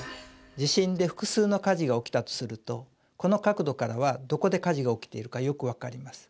地震で複数の火事が起きたとするとこの角度からはどこで火事が起きてるかよく分かります。